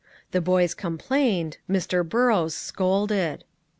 The boys complained Mr. Burrows scolded.